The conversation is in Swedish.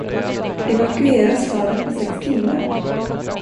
Evakuera staden på sex timmar?